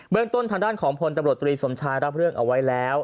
เมืองต้นทางด้านของพลตำรวจตรีสมชายรับเรื่องเอาไว้แล้ว